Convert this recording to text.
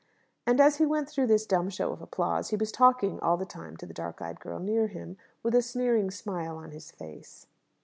And as he went through this dumb show of applause, he was talking all the time to the dark eyed girl near him, with a sneering smile on his face.